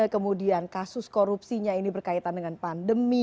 kemudian kasus korupsinya ini berkaitan dengan pandemi